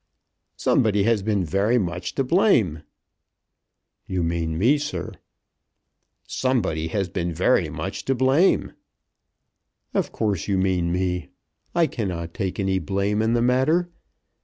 "Somebody has been very much to blame." "You mean me, sir?" "Somebody has been very much to blame." "Of course, you mean me. I cannot take any blame in the matter.